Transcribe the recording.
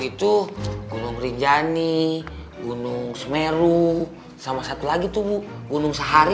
itu gunung rinjani gunung semeru sama satu lagi itu gunung sehari